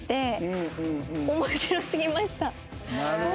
なるほど。